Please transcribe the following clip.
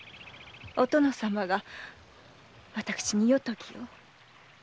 お殿様が私に夜伽を。